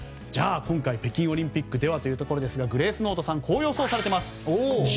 じゃあ今回北京オリンピックではというところですがグレースノートさんはこう予想されています。